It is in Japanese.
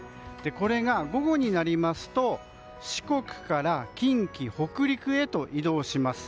これが午後になると四国から近畿、北陸へと移動します。